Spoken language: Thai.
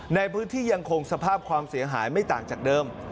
ในพื้นที่ยังคงสภาพความเสียหายไม่ต่างจากเดิม